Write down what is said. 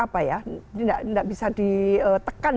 tidak bisa ditekan